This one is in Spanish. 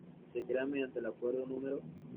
Se crea mediante el Acuerdo No.